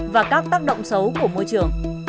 và các tác động xấu của môi trường